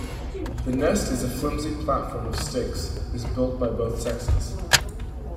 The nest is a flimsy platform of sticks is built by both sexes.